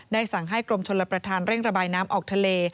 สั่งให้กรมชลประธานเร่งระบายน้ำออกทะเล